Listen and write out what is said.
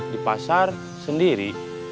di pasar sendiri